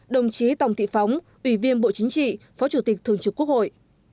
đồng chí tòng thị phóng ủy viên bộ chính trị phó chủ tịch thường trực quốc hội